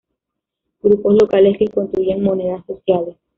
grupos locales que construyen monedas sociales